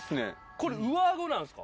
これ、上あごなんですか？